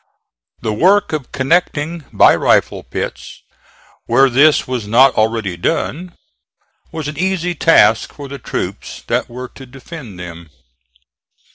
The work of connecting by rifle pits where this was not already done, was an easy task for the troops that were to defend them.